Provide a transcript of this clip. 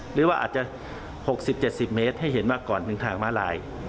หรือว่าอาจจะ๖๐๗๐เมตรให้เห็นว่าก่อนถึงทางม้าลาย